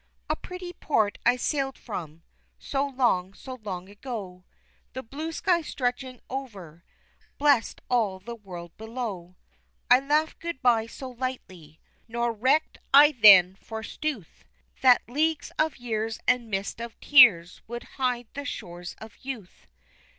A pretty port I sailed from, So long, so long ago, The blue sky stretching over, Blessed all the world below. I laughed good bye so lightly, Nor recked I then, forsooth, That leagues of years and mist of tears Would hide the shores of youth.